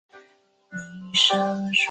常州晋陵人。